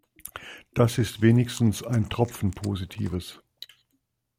Das ist wenigstens ein Tropfen Positives!